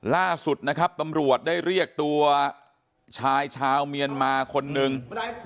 ล่าสุดนะครับตำรวจได้เรียกตัวชายชาวเมียนมาคนนึง